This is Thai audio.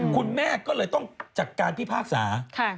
คุณแม่ก็เลยต้องจากการพิพากษา